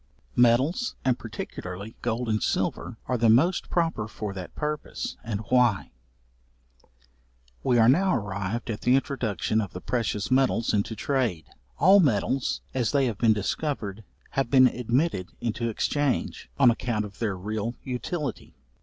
Metals, and particularly gold and silver, are the most proper for that purpose, and why. We are now arrived at the introduction of the precious metals into trade. All metals, as they have been discovered, have been admitted into exchange, on account of their real utility.